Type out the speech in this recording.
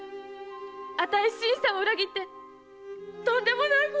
あたい新さんを裏切ってとんでもないことを！